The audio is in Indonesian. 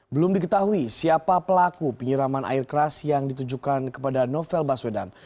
belum diketahui siapa pelaku penyiraman air keras yang ditujukan kepada novel baswedan